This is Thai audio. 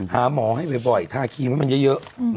หาหมอให้บ่อยถ้าขี้มันจะเยอะ